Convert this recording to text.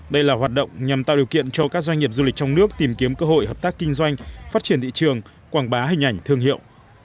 đây là hoạt động nhằm tạo điều kiện cho các doanh nghiệp du lịch trong nước tìm kiếm cơ hội hợp tác kinh doanh phát triển thị trường quảng bá hình ảnh thương hiệu